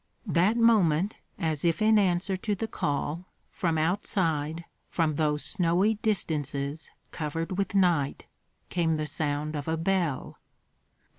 That moment, as if in answer to the call, from outside, from those snowy distances covered with night, came the sound of a bell.